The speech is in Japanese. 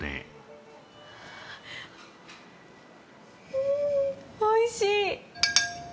うんおいしい。